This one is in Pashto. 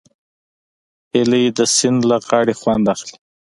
هیلۍ د سیند له غاړې خوند اخلي